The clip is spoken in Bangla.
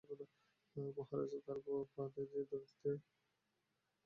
মহারাজ এত প্রাতে যে নদীতীরে?